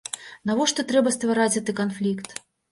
Навошта трэба ствараць гэты канфлікт?